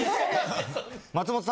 ・松本さん